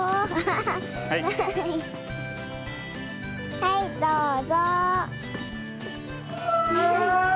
はいどうぞ。